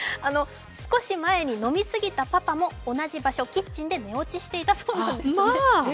少し前に、飲み過ぎたパパも同じ場所、キッチンで寝落ちしていたそうなんです。